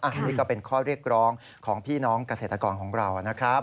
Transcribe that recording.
อันนี้ก็เป็นข้อเรียกร้องของพี่น้องเกษตรกรของเรานะครับ